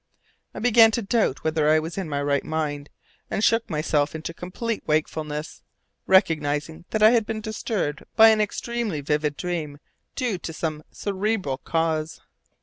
I began to doubt whether I was in my right mind, and shook myself into complete wakefulness, recognizing that I had been disturbed by an extremely vivid dream due to some cerebral cause.